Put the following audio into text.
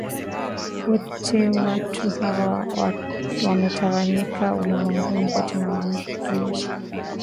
wote watu hawa wametawanyika ulimwenguni kote na wanawakilisha